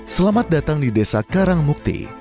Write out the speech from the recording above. selamat datang di desa karang mukti